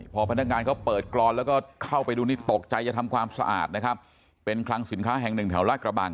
พอพนักงานเขาเปิดกรอนแล้วก็เข้าไปดูนี่ตกใจจะทำความสะอาดนะครับเป็นคลังสินค้าแห่งหนึ่งแถวลาดกระบัง